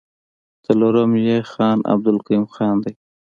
څلورم يې خان عبدالقيوم خان دی.